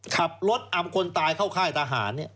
ขับรถอำคนตายเข้าค่ายทหาร